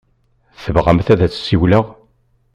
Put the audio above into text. Tebɣamt ad as-ssiwleɣ?